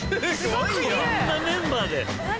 こんなメンバーで。